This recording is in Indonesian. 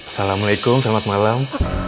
assalamualaikum selamat malam